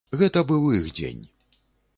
Гэта быў іх дзень!